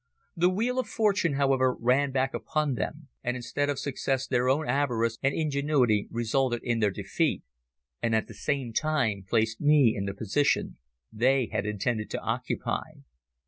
The wheel of fortune, however, ran back upon them, and instead of success their own avarice and ingenuity resulted in their defeat, and at the same time placed me in the position they had intended to occupy.